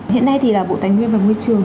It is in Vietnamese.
hiện nay thì là bộ tài nguyên và môi trường